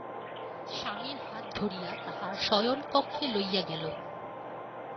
স্বামীর হাত ধরিয়া তাহার শয়নকক্ষে লইয়া গেল।